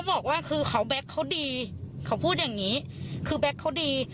แบ็คเขาดี